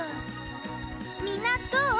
みんなどう？